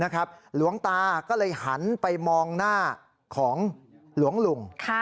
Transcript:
หลวงตาก็เลยหันไปมองหน้าของหลวงลุง